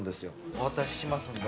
お渡ししますので。